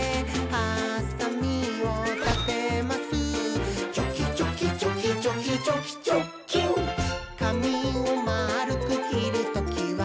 「かみをまるくきるときは、」